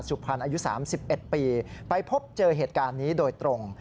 สุพรรณอายุ๓๑ปีไปพบเจอเหตุการณ์นี้โดยตรง